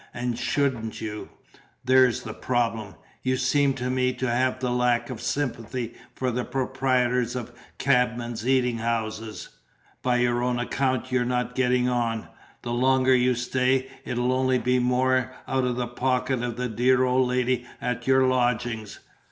"And shouldn't you? There's the problem. You seem to me to have a lack of sympathy for the proprietors of cabmen's eating houses. By your own account you're not getting on: the longer you stay, it'll only be the more out of the pocket of the dear old lady at your lodgings.